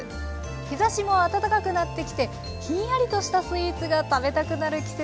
日ざしも暖かくなってきてひんやりとしたスイーツが食べたくなる季節ですね。